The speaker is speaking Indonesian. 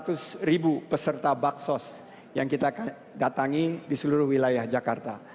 seratus ribu peserta baksos yang kita datangi di seluruh wilayah jakarta